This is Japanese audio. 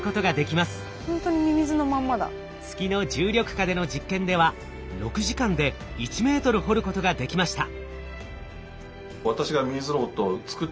月の重力下での実験では６時間で１メートル掘ることができました。